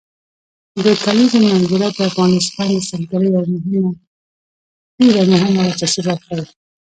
د کلیزو منظره د افغانستان د سیلګرۍ یوه ډېره مهمه او اساسي برخه ده.